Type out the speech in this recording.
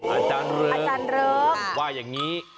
อาจารย์เริงว่าอย่างนี้